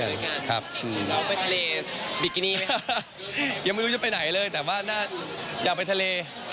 ยังไม่รู้จะไปไหนเลยแต่ว่าน่าอยากไปทะเล